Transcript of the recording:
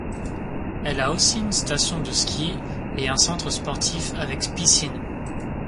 Elle a aussi une station de ski et un centre sportif avec piscine.